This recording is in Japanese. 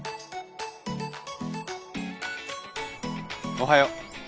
おはよう。